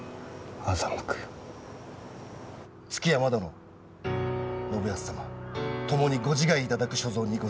築山殿信康様ともにご自害いただく所存にございます。